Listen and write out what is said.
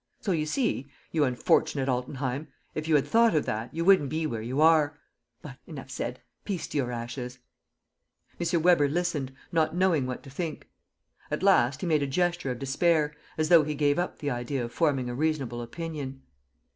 So you see, you unfortunate Altenheim: if you had thought of that, you wouldn't be where you are! ... But enough said. ... Peace to your ashes!" M. Weber listened, not knowing what to think. At last, he made a gesture of despair, as though he gave up the idea of forming a reasonable opinion.